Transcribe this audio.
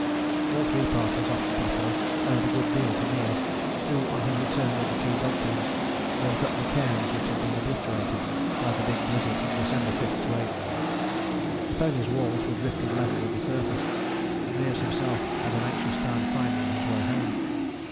All three parties off the plateau owed a good deal to Meares, who, on his return with the two dog teams, built up the cairns which had been obliterated by the big blizzard of December 5 8. The ponies' walls were drifted level with the surface, and Meares himself had an anxious time finding his way home.